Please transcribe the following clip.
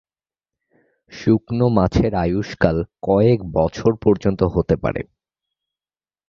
শুকনো মাছের আয়ুষ্কাল কয়েক বছর পর্যন্ত হতে পারে।